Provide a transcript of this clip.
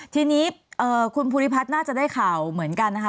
ทีนี้คุณภูริพัฒน์น่าจะได้ข่าวเหมือนกันนะคะ